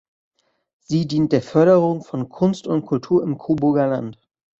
Sie dient der Förderung von Kunst und Kultur im Coburger Land.